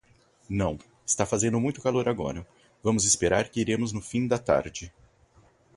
Não, está fazendo muito calor agora, vamos esperar que iremos no fim da tarde.